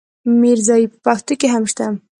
ميرزايي په پښتو کې هم شته.